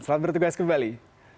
selamat bertugas kembali